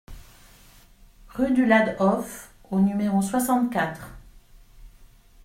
Rue du Ladhof au numéro soixante-quatre